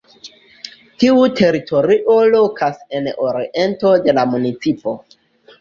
Tiu teritorio lokas en oriento de la municipo.